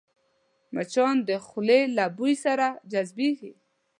مچان د خولې له بوی سره جذبېږي